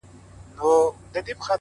• یوه بل ته به زړه ورکړي بې وسواسه ,